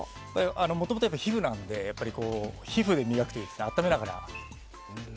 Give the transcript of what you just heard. もともと皮膚なので皮膚を磨くというか温めながら。